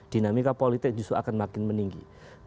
dinamika politik justru akan makin meninggi